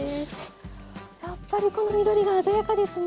やっぱりこの緑が鮮やかですね。